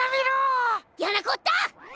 やなこった！